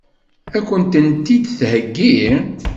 Ad kent-tent-id-theggi?